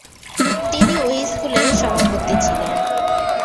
তিনি ঐ স্কুলের সভাপতি ছিলেন।